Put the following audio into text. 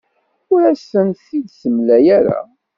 Ur as-tent-id-temla ara.